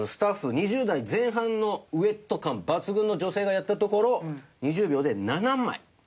２０代前半のウェット感抜群の女性がやったところ２０秒で７枚。